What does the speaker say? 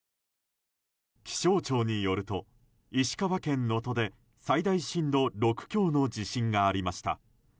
気象庁によると石川県能登で最大震度６強の地震がありました。